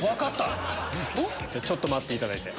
ちょっと待っていただいて。